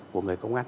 của người công an